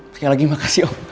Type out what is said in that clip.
sekali lagi makasih om